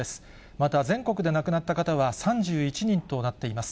また全国で亡くなった方は３１人となっています。